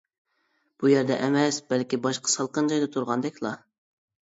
بۇ يەردە ئەمەس بەلكى باشقا سالقىن جايدا تۇرغاندەكلا.